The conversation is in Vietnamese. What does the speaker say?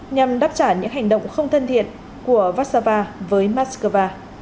nhằm đáp trả những hành động không thân thiện của vác sava với moscow